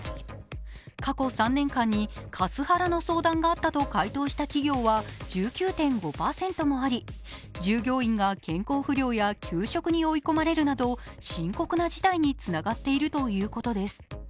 過去３年間にカスハラの相談があったと解答した企業は１９．５％もあり従業員が健康不良や休職に追い込まれるなど深刻な事態につながっているということです。